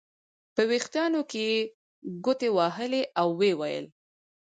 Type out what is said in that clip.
په وریښتانو کې یې ګوتې وهلې او ویې ویل.